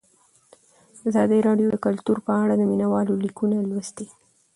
ازادي راډیو د کلتور په اړه د مینه والو لیکونه لوستي.